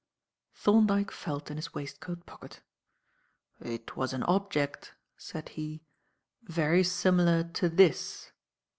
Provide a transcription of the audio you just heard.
Thorndyke felt in his waistcoat pocket. "It was an object," said he, "very similar to this."